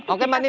oke mbak nining